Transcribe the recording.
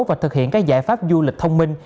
và thực hiện các giải pháp du lịch thông minh